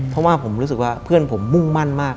เพราะว่าผมรู้สึกว่าเพื่อนผมมุ่งมั่นมาก